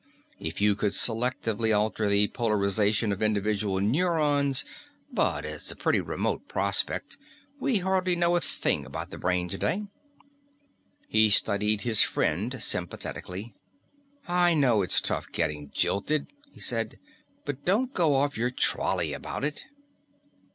If you could selectively alter the polarization of individual neurones But it's a pretty remote prospect; we hardly know a thing about the brain today." He studied his friend sympathetically. "I know it's tough to get jilted," he said, "but don't go off your trolley about it."